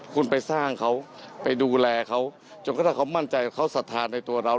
คุณไปสร้างเขาไปดูแลเขาจนกระทั่งเขามั่นใจเขาศรัทธาในตัวเรา